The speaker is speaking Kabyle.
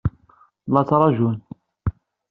La ttṛajun.